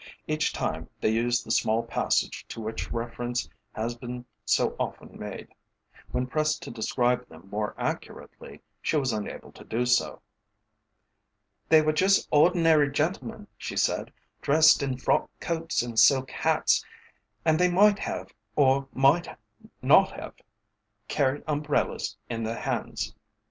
Each time they used the small passage to which reference has been so often made. When pressed to describe them more accurately, she was unable to do so. "They were just ordinary gentlemen," she said, "dressed in frock coats and silk hats, and they might have, or might not have, carried umbrellas in their hands."